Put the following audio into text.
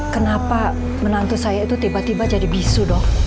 kenapa menantu saya itu tiba tiba jadi bisu dong